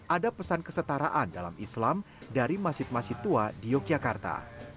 ada pesan kesetaraan dalam islam dari masjid masjid tua di yogyakarta